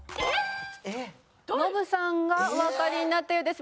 ノブさんがおわかりになったようです。